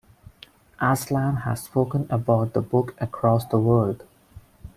Aslan has spoken about the book across the world.